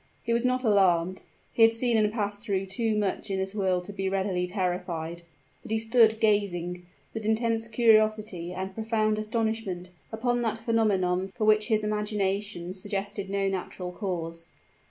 He was not alarmed; he had seen and passed through too much in this world to be readily terrified: but he stood gazing, with intense curiosity and profound astonishment, upon that phenomenon for which his imagination suggested no natural cause.